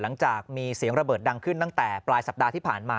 หลังจากมีเสียงระเบิดดังขึ้นตั้งแต่ปลายสัปดาห์ที่ผ่านมา